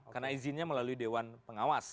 karena izinnya melalui dewan pengawas